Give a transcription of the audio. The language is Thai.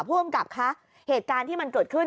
ผู้กำกับคะเหตุการณ์ที่มันเกิดขึ้น